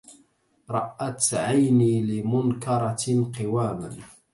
رأت عيني لمنكرة قواما